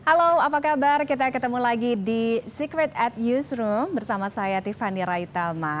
halo apa kabar kita ketemu lagi di secret at newsroom bersama saya tiffany raitama